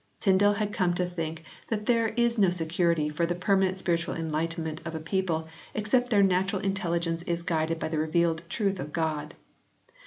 Tyndale had come to think that there is no security for the permanent spiritual enlightenment of a people except their natural intelligence is guided by the revealed truth of God.